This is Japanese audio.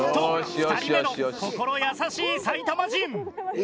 ２人目の心優しい埼玉人。